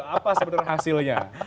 apa sebetulnya hasilnya